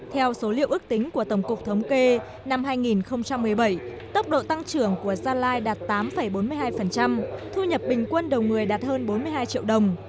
theo số liệu ước tính của tổng cục thống kê năm hai nghìn một mươi bảy tốc độ tăng trưởng của gia lai đạt tám bốn mươi hai thu nhập bình quân đầu người đạt hơn bốn mươi hai triệu đồng